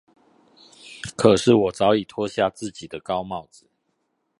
可是我早已脫下自己的高帽子